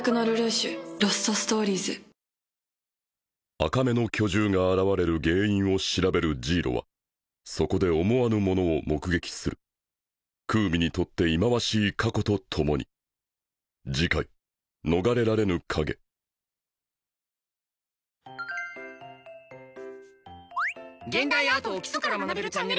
赤目の巨獣が現れる原因を調べるジイロはそこで思わぬものを目撃するクウミにとって忌まわしい過去とともに「現代アートを基礎から学べるチャンネル」